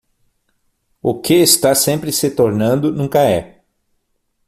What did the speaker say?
O que está sempre se tornando, nunca é.